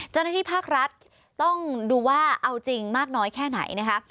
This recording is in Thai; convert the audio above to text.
เจ้าหน้าที่ภาครัฐต้องดูว่าเอาจริงมากน้อยแค่ไหนนะคะ